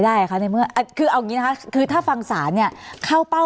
ในเมื่อคือเอาอย่างนี้นะคะคือถ้าฟังศาลเนี่ยเข้าเป้า